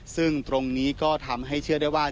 ซึ่งตรงนี้ก็ทำให้เชื่อได้ว่า